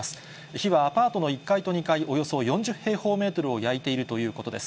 火はアパートの１階と２階、およそ４０平方メートルを焼いているということです。